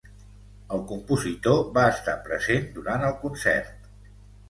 El compositor va estar present durant el concert.